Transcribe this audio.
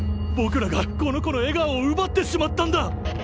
ぼくらがこの子のえがおをうばってしまったんだ！